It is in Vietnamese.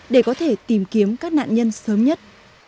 để có thể tìm kiếm các nạn nhân sớm nhất